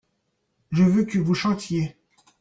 je veux que vous chantiez.